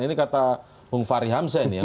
ini kata wung fahri hamzah ini